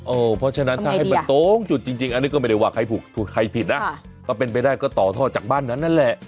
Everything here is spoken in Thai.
เพราะฉะนั้นถ้าให้มันตรงจุดจริงอันนี้ก็ไม่ได้ว่าใครถูกใครผิดนะถ้าเป็นไปได้ก็ต่อท่อจากบ้านนั้นนั่นแหละ